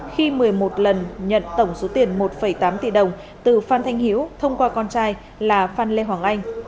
khi một mươi một lần nhận tổng số tiền một tám tỷ đồng từ phan thanh hiếu thông qua con trai là phan lê hoàng anh